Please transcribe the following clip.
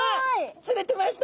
釣れてました！